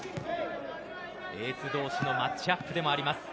エース同士のマッチアップでもあります。